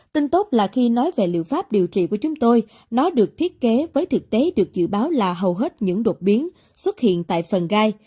tin tốt là khi nói về liệu pháp điều trị của chúng tôi nó được thiết kế với thực tế được dự báo là hầu hết những đột biến xuất hiện tại phần gai